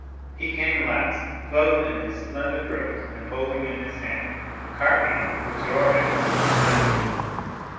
He came last, clothed in his splendid robes and holding in his hand the carbine which your emperor presented him.